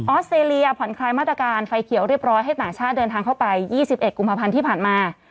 อสเตรเลียผ่อนคลายมาตรการไฟเขียวเรียบร้อยให้ต่างชาติเดินทางเข้าไป๒๑กุมภาพันธ์ที่ผ่านมา